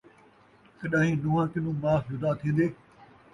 کݙان٘ہیں نہواں کنوں ماس جدا تھین٘دے